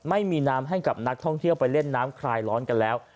ไม่มีน้ำให้กับนักท่องเที่ยวไปเล่นน้ำคลายร้อนกันแล้ว